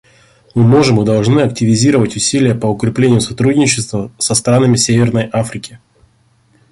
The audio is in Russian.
Мы можем и должны активизировать усилия по укреплению сотрудничества со странами Северной Африки.